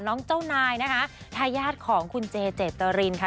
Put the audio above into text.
เจ้านายนะคะทายาทของคุณเจเจตรินค่ะ